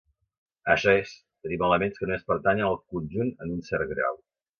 Això és, tenim elements que només pertanyen al conjunt en un cert grau.